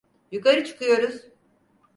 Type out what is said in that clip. Yukarı çıkıyoruz.